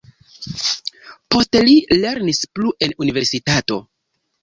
Poste li lernis plu en universitato.